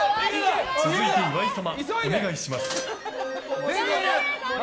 続いて岩井様お願いします。